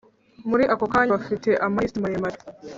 muri ako kanya, bafite amalisiti maremare